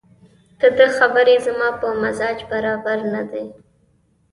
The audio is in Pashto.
دده خبرې زما په مزاج برابرې نه دي